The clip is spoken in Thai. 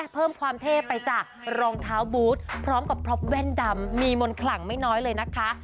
เพิ่มความเท่ไปจ้ะรองเท้าบูธพร้อมกับพล็อปแว่นดำมีมนต์ขลังไม่น้อยเลยนะคะ